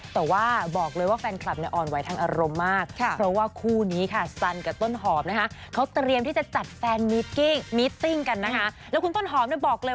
แต่ว่าบอกเลยว่าแฟนคลับอ่อนไหวทั้งอารมณ์มาก